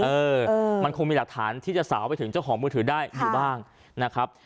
เออมันคงมีหลักฐานที่จะสาวไปถึงเจ้าของมือถือได้อยู่บ้างนะครับ